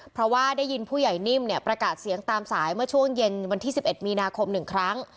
เพราะว่าได้ยินผู้ใหญ่นิ่มเนี่ยประกาศเสียงตามสายเมื่อช่วงเย็นวันที่๑๑มีนาคม๑ครั้ง